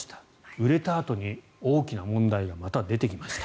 売れたあとに大きな問題がまた出てきました。